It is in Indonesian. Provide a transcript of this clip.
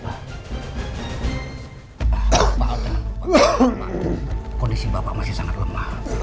pak al tenang kondisi bapak masih sangat lemah